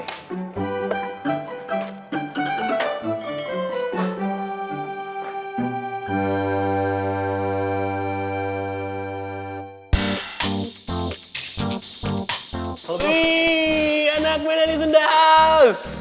wih anak anak meneliti sunda house